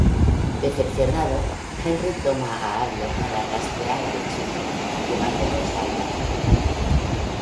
Decepcionado, Henry toma a Arlo para rastrear al chico, llevándolos a un barranco.